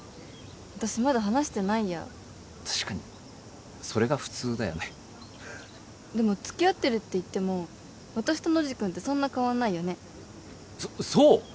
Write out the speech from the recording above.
私まだ話してないや確かにそれが普通だよねでも付き合ってるっていっても私とノジ君ってそんな変わんないよねそそう？